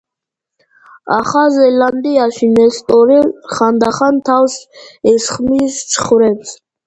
ახალ ზელანდიაში ნესტორი ხანდახან თავს ესხმის ცხვრებს.